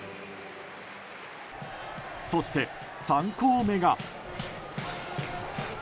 そして、３校目が。